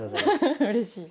うれしい。